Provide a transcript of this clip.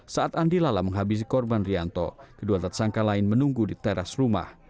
saat andi lala menghabisi korban rianto kedua tersangka lain menunggu di teras rumah